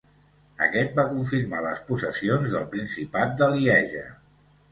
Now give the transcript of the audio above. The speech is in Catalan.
Aquest va confirmar les possessions del principat de Lieja.